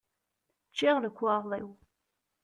Ččiɣ lekwaɣeḍ-iw.